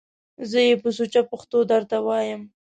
زه یې په سوچه پښتو درته وایم!